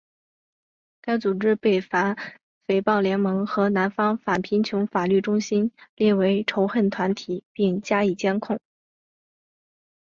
该组织被反诽谤联盟和南方反贫穷法律中心列为仇恨团体并加以监控。